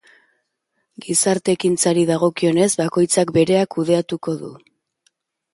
Gizarte-ekintzari dagokionez, bakoitzak berea kudeatuko du.